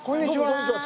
こんにちは。